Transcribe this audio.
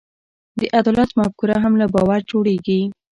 د عدالت مفکوره هم له باور جوړېږي.